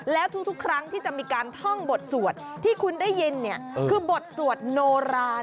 แล้วทุกครั้งที่จะมีการท่องบทสวดที่คุณได้ยินเนี่ยคือบทสวดโนรา